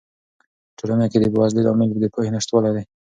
په ټولنه کې د بې وزلۍ لامل د پوهې نشتوالی دی.